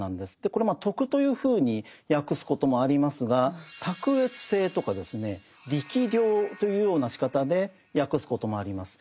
これ「徳」というふうに訳すこともありますが「卓越性」とか「力量」というようなしかたで訳すこともあります。